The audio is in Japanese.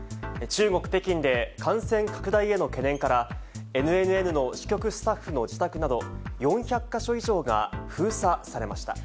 中国・北京で、感染拡大への懸念から、ＮＮＮの支局スタッフの自宅など、４００か所以上が封鎖されました。